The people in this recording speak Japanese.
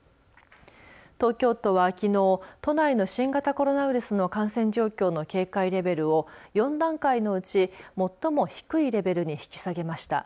東京都はきのう都内の新型コロナウイルスの感染状況の警戒レベルを４段階のうち最も低いレベルに引き下げました。